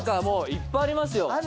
・いっぱいありますよ。